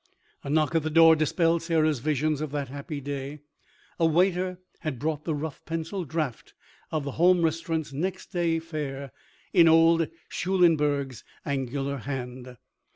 A knock at the door dispelled Sarah's visions of that happy day. A waiter had brought the rough pencil draft of the Home Restaurant's next day fare in old Schulenberg's angular hand.